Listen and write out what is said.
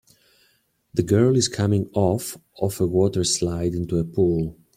The girl is coming off of a water slide into a pool.